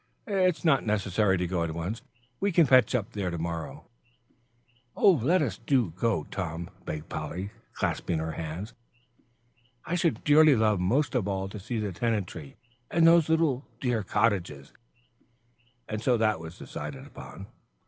"It's not necessary to go at once; we can fetch up there to morrow." "Oh, do let us go, Tom," begged Polly, clasping her hands. "I should dearly love most of all to see the tenantry and those dear little cottages." And so that was decided upon.